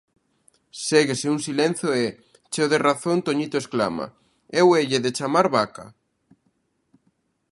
Séguese un silencio e, cheo de razón, Toñito exclama: Eu heille de chamar Vaca!